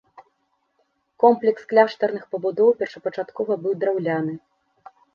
Комплекс кляштарных пабудоў першапачаткова быў драўляны.